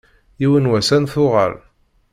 Yiwen n wass ad n-tuɣal.